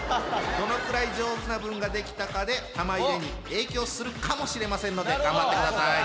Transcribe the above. どのくらい上手な文ができたかで玉入れに影響するかもしれませんので頑張ってください！